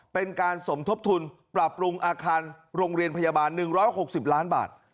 เป็นการสมทบทุนปรับปรุงอาคารโรงเรียนพยาบาล๑๖๐ล้านบาท